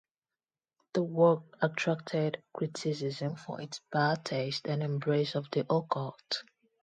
The work attracted criticism for its bad taste and embrace of the occult.